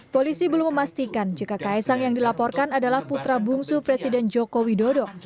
polisi belum memastikan jika kaisang yang dilaporkan adalah putra bungsu presiden joko widodo